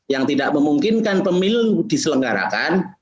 yang tidak memungkinkan pemilu diselenggarakan